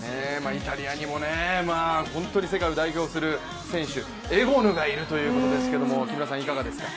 イタリアにも本当に世界を代表する選手エゴヌがいるということですがいかがですか？